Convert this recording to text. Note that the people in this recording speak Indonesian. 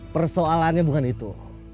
persoalannya bukan itu